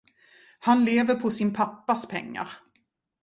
Han lever på sin pappas pengar.